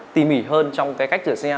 tỉ mỉ hơn trong cái cách rửa xe